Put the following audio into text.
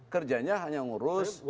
kerjanya hanya mengurus